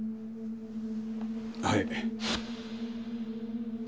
はい。